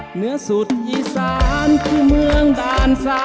เหนือสุดอีสานคู่เมืองด่านซ้าย